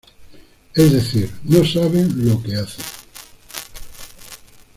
Es decir, no saben lo que hacen.